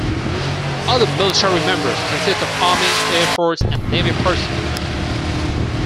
Other military members consist of Army, Air Force and Navy personnel.